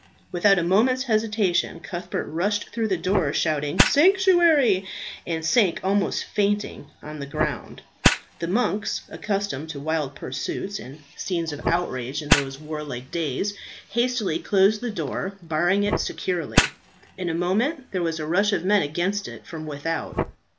Without a moment's hesitation Cuthbert rushed through the door, shouting "Sanctuary!" and sank almost fainting on the ground. The monks, accustomed to wild pursuits and scenes of outrage in those warlike days, hastily closed the door, barring it securely. In a moment there was a rush of men against it from without.